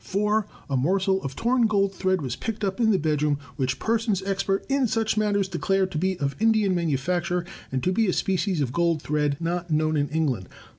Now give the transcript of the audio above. (4) A morsel of torn gold thread was picked up in the bedroom, which persons expert in such matters declared to be of Indian manufacture, and to be a species of gold thread not known in England.